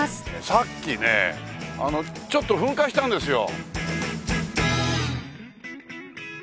さっきねちょっと噴火したんですよ。